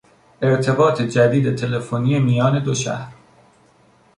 ارتباط جدید تلفنی میان دو شهر